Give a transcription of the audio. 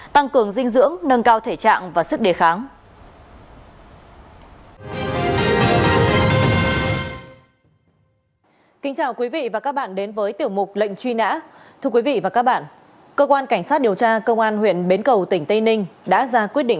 tăng cường dinh dưỡng nâng cao thể trạng và sức đề kháng